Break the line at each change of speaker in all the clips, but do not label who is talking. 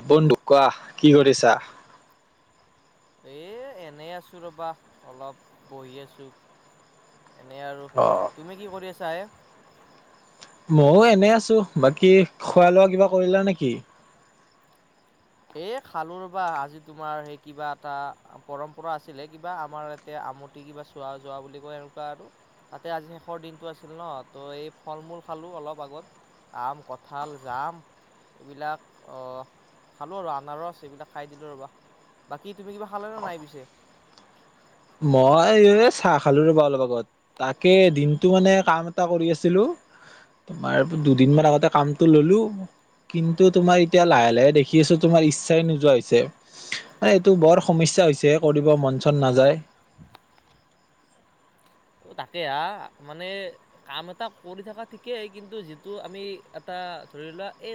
অ' বন্ধু কোৱা কি কৰিছা?
এ এনেই আছোঁ ৰ'বা অলপ বহি আছোঁ। এনে আৰু
অ'
তুমি কি কৰি আছাঁ এ
মইও এনে আছোঁ। বাকী খোৱা লোৱা কিবা কৰিলা নেকি?
এই খালোঁ ৰ'বা আজি তোমাৰ সেই কিবা এটা পৰম্পৰা আছিলে কিবা আমাৰ ইয়াতে আমটি কিবা চোৱা যোৱা বুলি কয় এনেকুৱা আৰু। তাতে আজি শেষৰ দিনটো আছিল ন ত' এই ফল মূল খালোঁ অলপ আগত। আম, কঁঠাল, জাম এবিলাক অ'। খালোঁ আৰু আনাৰচ এইবিলাক খাই দিলোঁ ৰ'বা। বাকী তুমি কিবা খালা নে নাই পিছে?
মই এই চাহ খালোঁ ৰ'বা অলপ আগত। তাকে দিনটো মানে কাম এটা কৰি আছিলোঁ। তোমাৰ দুদিনমান আগতে কামটো ল'লো কিন্তু তোমাৰ এতিয়া লাহে লাহে দেখি আছোঁ তোমাৰ ইচ্ছাই নোযোৱা হৈছে। মানে এইটো বৰ সমস্যা হৈছে হে কৰিব মন চন নাযায়।
তাকেই হা মানে কাম এটা কৰি থকা ঠিকেই কিন্তু যিটো আমি এটা আ ধৰি লোৱা এ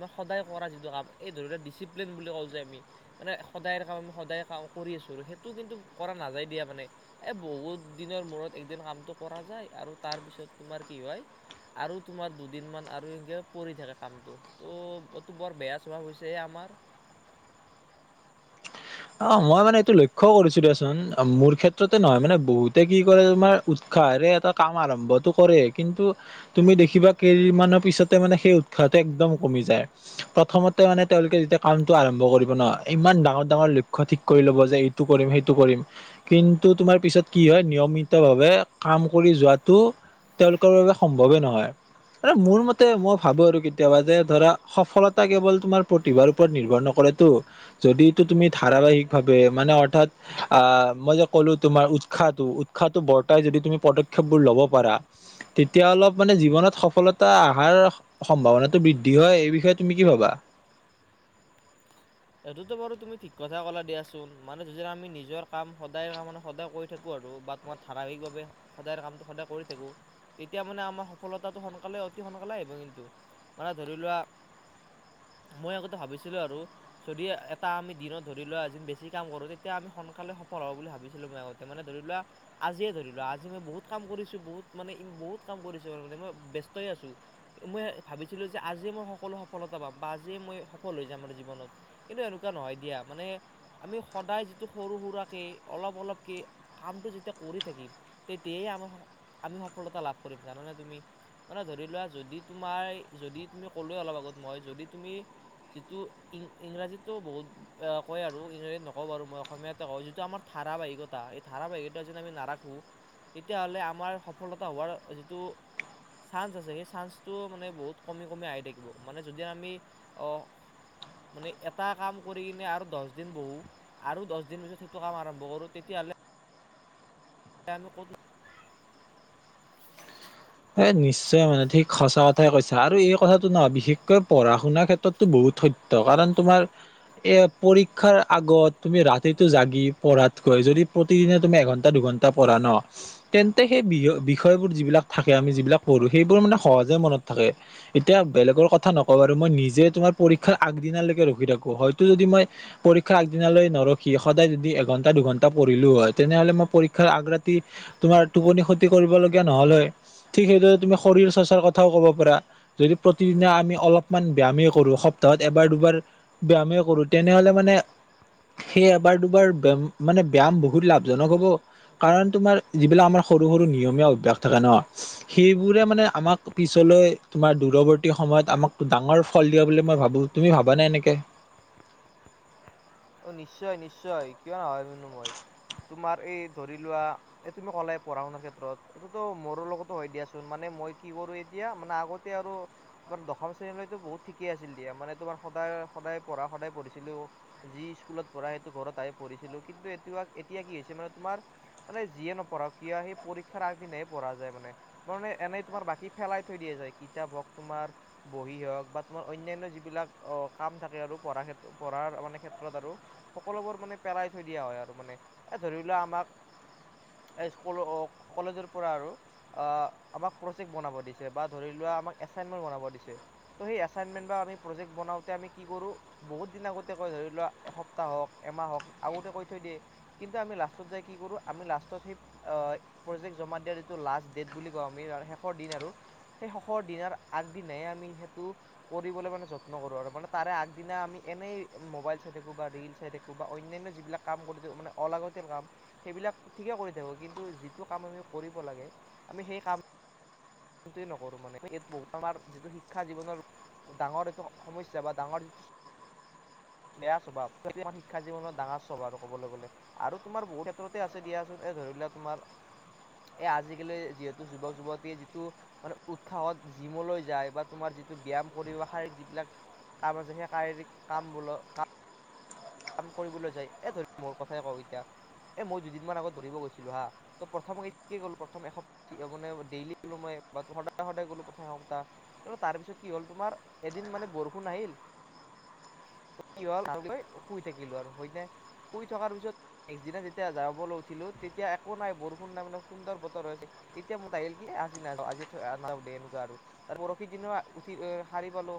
মই সদায় কৰা যিটো কাম এই ধৰি লোৱা ডিচিপ্লিন বুলি কওঁ যে আমি মানে সদায় কাম সদায় কাও-ক কৰি আছোঁ আৰু সেইটো কিন্তু কৰা নাযায় দিয়া মানে এ বহুত দিনৰ মূৰত এদিন কামটো কৰা যায় আৰু তাৰপিছত তোমাৰ কি হয় আৰু তোমাৰ দুদিন মান আৰু এনেকে পৰি থাকে কামটো ত' এইটো বৰ বেয়া স্বভাৱ হৈছে আমাৰ আমাৰ।
[inaudible] অ' মই মানে এইটো লক্ষ্যও কৰিছোঁ দিয়াচোন। মোৰ ক্ষেত্ৰতে নহয় মানে বহুতে কি কৰে তোমাৰ উত উৎসাহৰে এটা কাম আৰম্ভটো কৰে কিন্তু তুমি দেখিবা কেইদিনমানৰ পিছতে মানে সেই উৎসাহ টো একদম কমি‌‌ যায় প্ৰথমতে মানে তেওঁলোকে যেতিয়া কামটো আৰম্ভ কৰিব ন ইমান ডাঙৰ ডাঙৰ ঠিক কৰি ল'ব যে এইটো কৰিম সেইটো কৰিম কিন্তু তোমাৰ পিছত কি হয় নিয়মিত ভাৱে কাম কৰি যোৱাটো তেওঁলোকৰ বাবে সম্ভৱেই নহয়। মোৰ মতে মই ভাবো আৰু কেতিয়াবা যে ধৰা সফলতা কেৱল তোমাৰ প্ৰতিভাৰ ওপৰত নিৰ্ভৰ নকৰে। টো যদিটো তুমি ধাৰাবাহিক ভাৱে মানে অৰ্থাৎ আ মই যে ক'লো তোমাৰ উৎসাহটো, উৎসাহটো বৰ্তাই যদি তুমি পদক্ষেপ বোৰ ল'ব পাৰা। তেতিয়া অলপ মানে জীৱনত সফলতা আহাৰ সম্ভাৱনাটো বৃদ্ধি হয়। এই বিষয়ে তুমি কি ভাবা? [inaudible]
সেইটোতো বাৰু তুমি ঠিক কথা কলা দিয়াচোন। মানে [unintelligible] আমি নিজৰ কাম সদায়ে তামানে সদায় কৰি থাকোঁ আৰু বা মই ধাৰাবাহিকভাৱে সদায়ৰ কামটো সদায় কৰি থাকোঁ, তেতিয়া মানে আমাৰ সফলতাটো সোনকালে অতি সোনকালে [unintelligible] কিন্তু মানে ধৰি লোৱা মই আতে ভাবিছিলো আৰু যদি এটা আমি দিনত ধৰি লোৱা আজিন বেছি কাম কৰোঁ তেতিয়া আমি সনকালে সফল হ'ব বুলি ভাবিছিলোঁ মই আগতে মানে ধ ধৰি লোৱা, আজিয়ে ধৰি লোৱা আজি মই বহুত কাম কৰিছো বহুত মানে বহু কাম‌ কৰিছো মানে মই ব্যস্ত মই ভাবিছিলো যে আজি মই সকলো সফলতা পাম বা আজিয় মই সফল হৈ যাম জীৱনত। কিন্তু এনেকুৱা নহয় দিয়া, মানে আমি সদায় যিটো সৰু সুৰাকৈ, অলপ অলপকৈ কামটো যেতিয়া কৰি থাকিম, তেতিয়াই আমাৰ আমি সফলতা লাভ কৰিম, জানানে তুমি? মানে ধৰি লোৱা যদি তোমাৰ যদি তুমি ক'লোৱে অলপ আগত মই যদি তুমি যিটো ইং ইংৰাজীতো বহুত কয় আৰু ইংৰাজীত নকওঁ বাৰু মই অসমীয়াতে কওঁ যিটো আমাৰ ধাৰাবাহিকতা এই ধাৰাবাহিকতো যদি আমি নাৰাখোঁ, তেতিয়াহ'লে আমাৰ সফলতা হোৱাৰ যিটো চান্স আছে সেই চান্সটো মানে বহুত কমি কমি আহি থাকিব মানে যদি আমি
[inaudible]
মানে এটা কাম কৰি কিনে আৰু দহ দিন বহোঁ, আৰু দহ দিন পিছত সেইটো কাম আৰম্ভ কৰোঁ, তেতিয়াহ'লে [unintelligible]
এ নিশ্চয় মানে ঠিক সঁচা কথাই কৈছা আৰু এই কথাটো নহয় বিশেষকৈ পঢ়া শুনাৰ ক্ষেত্ৰতো বহুত কাৰণ তোমাৰ এ পৰীক্ষাৰ আগত তুমি ৰাতিটো জাগি পঢ়াত কৈ যদি প্ৰতিদিনে তুমি এঘন্টা দুঘ [unintelligible] তেন্তে সেই বিষয়োৰ যিলাক থ আমি যিবিলাক পঢ়ো সেইবোৰ মানে সহজে মনত থাকে এতিয়া বেলেগৰ কথা নকওঁ বাৰু মই নিজে তোমাৰ পৰীক্ষাৰ আগদিনালৈকে ৰখি থাকো, হয়তো যদি মই পৰীক্ষাৰ আগদিনালৈ নৰখি সদায় যদি এঘন্টা ঘন্টা পঢ়িলো হয় তেনেহলে মই পৰীক্ষাৰ আগ্ৰতি তোমাৰ টোপনি ক্ষতি কৰিবলগীয়া নহলে হয়। ঠিক সেইদৰে তুমি শৰীৰ চৰ্চাৰ কথাও ক'ব পাৰা যদি প্ৰতিদিনে আমি অলপমান ব্যামেই কৰো সপ্তাহত এবাৰ দুবাৰ ব্যামেই কৰোঁ তেনেহ'লে মানে সেই এবাৰ দুবাৰ ব মানে ব ব্যায়াম বহুত লাভজনক হব কাৰণ তোমাৰ যিবিলাক আমাৰ সৰু সৰু নিয়মীয়া অভ্যাস থাকে ন সেইবোৰে মানে আমাক পিছলৈ তোমাৰ দূৰৱৰ্তী সময়ত আমাক ডাঙৰ ফল দিয়া বুলি ম মই ভাবো, তুমি ভাবানে এনেকে?
অ' নিশ্চয় নিশ্চয় কিয় [unintelligible] তোমাৰ এই ধৰি লোৱা এই তুমি ক'লে পঢ়া শুনাৰ ক্ষেত্ৰত এইটোতো মোৰ লগতো হয় দিয়াচোন মানে মই কি কৰো, এতিয়া মানে আগতে আৰু তাৰ দশম শ্ৰেণীলৈতো বহুত ঠিকে আছিল দিয়া, মানে তোমাৰ সদায় সদায় পঢ়া সদায় পঢ়িছিলো। যি স্কুলত পঢ়া সেইটো ঘৰত আহে পঢ়িছিলো কিন্তু এতিয়া এতিয়া কি হৈছে মানে তোমাৰ মানে যিয়ে নপঢ়া কিয় সেই পৰীক্ষাৰ আগদিনা হে পঢ়া যায় মানে, তে এনেই তোমাৰ বাকী ফেলাই থৈ দিয়া যায় কিতাপ হওক তমাৰ বহি হওক বা তোমাৰ অন্য়ানয় যিবিলাক অ' কাম থাকে আৰু পঢ়া ক্ষেত্ৰত পঢ়াৰ মানে ক ক্ষেত্ৰত আৰু সকলোবোৰ মানে পেলই থৈ দিয়া হয় আৰু মানে এ ধৰি লোৱা আমাক এই [unintelligible] কলেজৰ পৰা আৰু আহ আমাক প্ৰজেক্ট বনাব দিছে, বা ধৰি লোৱা এছাইনমেণ্ট বনাব দিছে, ত সেই এছাইনমেণ্ট বা‌ আমি প্ৰজেক্ট বনাওতেই আমি কি কৰো, বহুত দিন আগতে তেকৈ ধৰি লোৱা এসপ্তাহ হওক, এমাহ হওক আগতে কৈ থৈ দিয়ে কিন্তু আমি লাষ্টত যাই কি কৰো আমি লাষ্টত সেই প্ৰজেক্ট জমা দিয়াৰ যটো লাষ্ট ডেট বুলি কওঁ, আমি শেষৰ দিন আৰু সেই শেষৰ দিনাৰ আগদিনাই আমি সেইটো কৰিবলৈ মানে যত্ন কৰো, আৰু মানে তাৰে আগদিনা আমি এনেই মোবাইল চ থো বা ৰিল চাই থাকো বা অনান্য যিবিলাক কাম কৰি থাকো মানে অলাগতিাল কাম সেইবিলাক ঠিকে কৰি থাকোঁ কি কিন্তু যিটো কাম আমি কৰিব লাগে আমি সেই কাম সেই টোৱে নকৰো মানে বহু আমাৰ যিটো শিক্ষা জীৱনৰ ডাঙৰ এইটো সমস্যা বা ডাঙৰ যিটো বেয়া স্বভাৱ সেই আমাৰ শিক্ষা জীৱনত ডাঙৰ স্বভাৱ আৰু ক'ব গ'লে আৰু তোমাৰ বহুত ক্ষেত্ৰতে আছে দিয়া চোন। এই ধৰি লোৱা তোমাৰ এ আজিকালি যিহেতু যুৱক যুৱতীয়ে যিটো মানে উৎসাহত জিমলৈ যায় বা তোমাৰ যিটো ব্যায়াম কৰি আহা যিবিলাক কাম আছে সেই শাৰীৰিক কাম বোৰৰ কাম কাম কৰিবলৈ যায় এ ধৰি মোৰ কথাই কওঁ এতিয়া এ মই দুদিন মানত আগত ধৰিব গৈছিলোঁ হা। ত' প্ৰথম গ'লো প্ৰথম এসপ্তা মানে ডেইলি গ'লো মই বা সদায় সদায় গ'লো প্ৰথম সপ্তাহ, তাৰপিছত কি হ'ল তোমাৰ এদিন মানে বৰষুণ আহিল।
হয় [unintelligible]
তাৰ পিছত কি হ'ল শুই থাকিলোঁ আৰু হয় নে শুই থকাৰ পিছত নেক্সট দিনা যেতিয়া যাবলৈ উঠিলো তেতিয়া একো নাই বৰষুণ নাই মানে সুন্দৰ বতৰ হৈ আছে এতিয়া মোৰ আহিল কি আজি আজি দে এনেকুৱা আৰু পৰহি দিনা উঠি আহ সাৰি পালো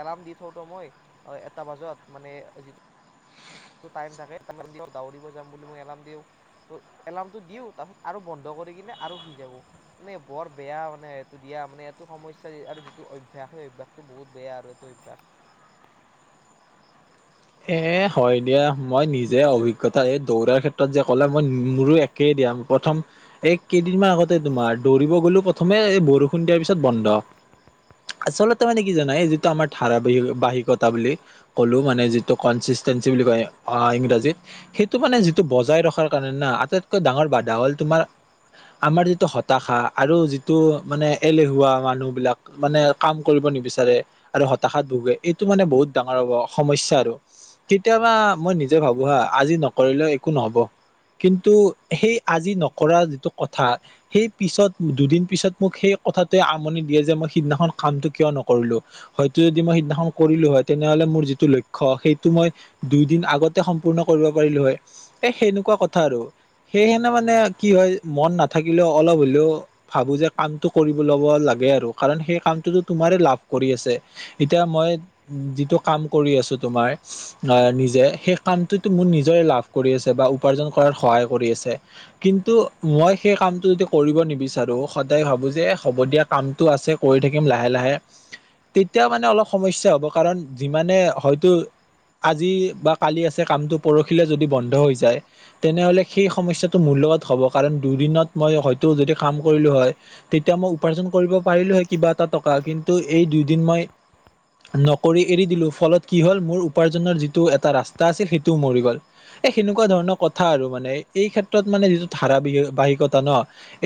এলাৰ মই এ ব ম টাই থাকে দৰিব যাম বুলিই এলাৰ দিওঁ এলাৰটো দি তাৰপিছত আৰু বন্ধ কৰি কিনে আৰু শুই যাব মানে বৰ বেয়া মানে এইটো দিয়া মানে এইটো সমস্্যা যিটো অভ্য়াস এইপাকতো বহুত বেয়া আৰু ত এইবাক
[unintelligible] এ হয় দিয়া মই নিজে অভিজ্ঞতা এই দৌৰাৰ ক্ষেত্ৰত যে ক'লে মই মোৰো একে দিয় প্ৰথম এক কেইদিনমান আগতে তোমাৰ দৌৰিব গ'লো প্ৰথমে এই বৰষুণ দিয়াৰ পিছত বন্ধ। আচলতে মানে কি জানাই এই যিটো আমাৰ ধাৰাবাহিক বাহিকতা বুলি কলো মানে যিটো িেি বুলি কয় অ ইংৰাজীত সেইটো মানে যিটো বজাই ৰখাৰ কাৰণে না আটাইতকৈ ডাঙৰ বাধা হ'ল তোমাৰ আমাৰ যিটো হতাশা আৰু যিটো মানে এলেহুৱা মানুহ বিলাক মানে কাম কৰিব নিবিচাৰে আৰু হতাশাত ভোগে এইটো মানে বহুত ডাঙৰ সমস্যা আৰু কেতিয়াবা মই নিজে ভাবো হা আজি নকৰিলে একো নহ'ব। কিন্তু সেই আজি নকৰা যিটো কথা সেই পিছত দুদিন পিছত মোক সেই কথাটোৱে আমনি দিয়ে যে মই সিদিনাখন কামটো কিয় নকৰিলো হয়তো যদি মই সিদিনাখন কৰিলো হয় তেনেহ'লে মোৰ যিটো লক্ষ্য সেই মই দুই দিন আগতে সম্পূৰ্ণ কৰিব পাৰিলো হয় এ সেনেকুৱা কথা আৰু সেইকাৰনেে মানে কি হয় মন নাথাকিলেও অলপ হলেও ভাবো যে কামতটো কৰিব ল'ব লাগে আৰু কাৰ সেই কামতো তুম লাভ কৰি আছে এতিয়া মই যিটো কাম কৰি আছো তোমাৰ আহ নিজে সেই কামটোতো মোৰ নিজৰে লাভ কৰি আছে বা উপাৰ্জন কৰাত সহায় কৰি আছে কিন্তু মই সেই কামটো য কৰিব নিবিচাৰো সদায় ভাবো যে হ'ব দিয়া কামটো আছে কৰি থাকিম লাহে লাহে তেতিয়া মানে অলপ সমস্যা হ'ব কাৰণ যিমানে হয়তো। আজি বা কালি আছে কামটো পৰখিলে যদি বন্ধ হৈ যায় তেনেহ'লে সেই সমস্যাটো [unintelligible] পাৰিলো হয়ে কিবা এটা টকা কিন্তু এই দুই দিন মই নক এৰি দিলো ফলত কি হল ম উপাৰ্জনৰ যিটো এটা ৰাস্তা আছিল সেইটোও মৰি গ'ল। এ সেনেকুৱা ধৰণৰ কথা আৰু মানে এই ক্ষেত্ৰত মানে যিটো ধাৰাবহ বাহিকতা ন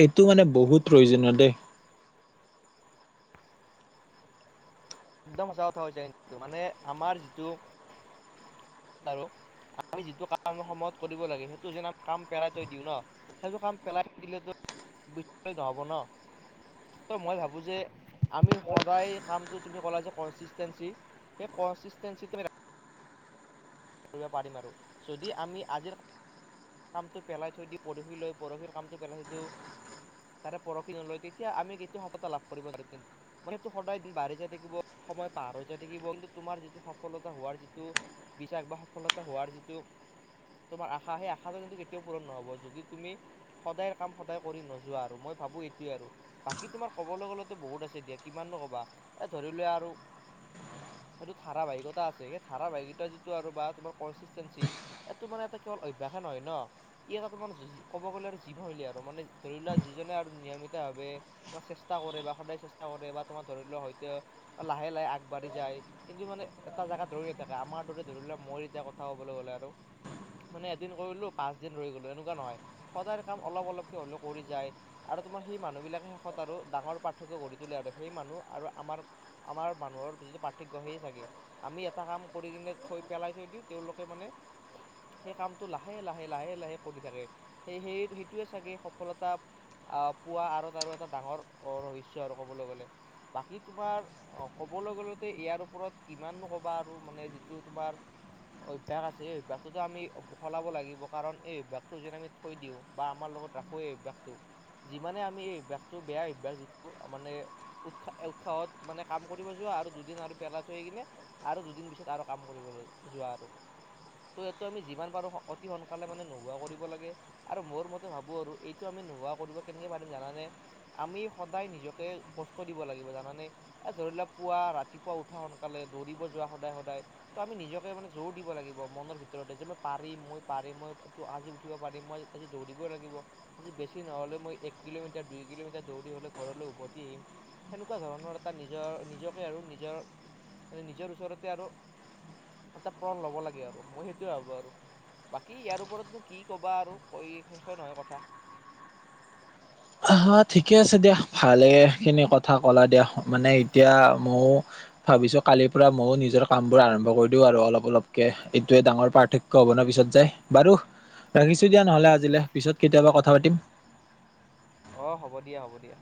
এইটো মানে বহুত প্ৰয়োজন দেই।
একদম সঁচা কথা হৈছে কিন্ত মানে আমাৰ যিটো আৰু আমি যিটো কামি সময়ত কৰিব লাগে সেইটো যেনি কাম পেলাই থৈ দিওঁ ন সেইটো কাম পেলাই দিলেতো নহব ন মই ভাবো যে আমি সদায় কামটো তুমি ক'লা যে কনচিষ্টেঞ্চি সেই কনচিষ্টেঞ্চি তুমি কৰিব পাৰি মাৰোঁ যদি আমি আজিৰ কামটো পেলাই থৈ দি পৰহি লৈ পৰহিৰ কামটো পেলাই থৈ দিওঁ তাৰে পৰহি নলয় তেতিয়া আমি কেতিয়া সপতা লাভ কৰিবোৱাৰ কিন্তু মান সেইটো সদায় বাঢ়ি যাই থাকিব। সময় পাৰ হৈ যনেকি বু তোমাৰ যিটো সফলতা হোৱাৰ যিটো বিশ্বাস বা সফলতা হোৱাৰ যিটো তোমাৰ আশা সেই আশাটো কিন্তু কেতিয়াও পূৰণ নহব যদি তুমি সদায় কাম সদায় কৰি নোযোৱা আৰু মই ভাবো এইটোৱয়ে আৰু বাকী তোমাৰ ক'বলৈ গ'লেতো বহুত আছে এতিয়া কিমাননো ক'বা এ ধৰি লোৱা আৰু
[unintelligible]
সেইটো ধাৰাবাহিকতা আছে স ধাৰাবাহিকতা যিটো [unintelligible] কনচিচতেন্সি, ইয়াত তো মানে অভ্যাসে নহয় ন', ই এটা মানে ক'ব গ'লে [unintelligible] আৰু মানে ধৰি ল যিজনে আৰু নিয়মিত ভাৱে চেষ্টা কৰে বা সদায় চেষ্টা কৰে বা তোমাৰ ধৰি লোৱাও হয়ৈতে লাহে লাহে আগবাঢ়ি যায় কিন্তু মানে এটা জোগা দৰিয়ে থাকে আমাৰ দৰে ধৰি ল মই এতিয়া কথা ক'বলৈ গ'লে আৰু মানে এদিন কৰিলো পাঁচ দিন ৰৈ গলো এনেকুৱা নহয় সদায় কাম অলপ অলপকে হ'লেও কৰি যায় আৰু তোমাৰ সেই মানুহবিলাকে শেষত আৰু ডাঙৰ পাৰ্থক্য গঢ়ি তোলে আৰু সেই মানুহ আৰু আমাৰ আমাৰ মানুহৰ যিটো পাৰ্থক্য সেইয়ে চাগে, আমি এটা কাম কৰি কিনে থৈ পেলাই থৈ দিওঁ তেওঁলোকে মানে সেই কামটো লাহে লাহে লাহে লাহে কৰি থাকে, সেই সেই সেইটোৱে চাগে সফলতা আহ পোৱা আৰু তাত আৰু এটা ডাঙৰ ৰহস্য আৰু কবলৈ গ'লে বাকী তোমাৰ অ ক'বলৈ গ'লেটো এ আই ওপৰত কিমান ক'বা আৰু মানে টো তোমাৰ অভ্যাস আছে এই অভ্যাসতো আমি সলাব লাগিব কাৰণ এই অভ্যাসটো যদি আমি থৈ দিওঁ বা আমাৰ লগত ৰাখোঁ এই অভ্যাসটো। যিমানে আমি এই অভ্যাসটো বেয়া অভ্যাস যিটো মানে উৎসাহ উৎসাহত মানে কাম কৰিব যোৱা আৰু দুদিন আৰু পেলাই থৈ কিনে আৰু দুদিন পিছত আৰু কাম কৰিবলৈ যোৱা আৰু। ত' এইটো আমি যিমান পাৰো অতি সোনকালে মানে নোহোৱা কৰিব লাগে আৰু মোৰ মতে ভাবো আৰু এইটো আমি নোহোৱা কৰিব কেনেকে পাৰিম জানানে আমি সদায় নিজকে কষ্ট দিব লাগিব জানানে এ ধৰি লোৱা পুৱা ৰাতিপুৱা উঠা সোনকালে দৌৰিব যোৱা সদায় সদায় ত আমি নিজকে মানে জোৰ দিব লাগিব মনৰ ভিতৰতে যে মই পাৰিম মই পাৰিম মই আজি উঠিব পাৰিম মই আজি দৌৰিব লাগিব আজি বেছি নহ'লে মই এক কিলোমিটাৰ দুই কিলোমিটাৰ দৌৰি হ'লে ঘৰলৈ উভতি আহিম। সেনেকুৱা ধৰণৰ এটা নিজৰ নিজকে আৰু নিজৰ নিজৰ ওচৰতে আৰু এটা প্ৰণ ল'ব লাগে আৰু মই সেইটোয়ে ভাবো আৰু বাকী ইয়াৰ ওপৰতনো কি ক'বা আৰু কৈ শেষে নহয় কথা।
[unintelligible] আহ ঠিকে আছে দিয়া ভালে খিনি কথা কলা দিয়া মানে এতিয়া ময়ো ভাবিছো কালিৰ পৰা ময়ো নিজৰ কামবোৰ আৰম্ভ কৰি দিও আৰু অলপ অলপকে এইটোয়ে ডাঙৰ পাৰ্থক্য হ'ব ন পিছত পিছত যাই বাৰু ৰাখিছো দিয়া নহলে আজিলে পিছত কেতিয়াবা কথা পাতিম।
অ হ'ব দিয়া হ'ব দিয়া।